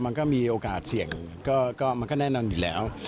มันก็มีโอกาสเสี่ยงมันก็แน่นอนอยู่แล้ว